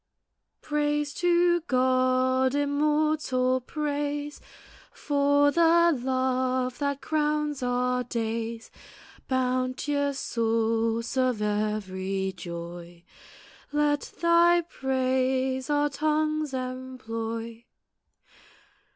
Praise to God, immortal praise, For the love that crowns our days Bounteous source of every joy, Let Thy praise our tongues employ!